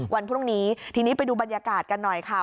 วันพรุ่งนี้ทีนี้ไปดูบรรยากาศกันหน่อยค่ะ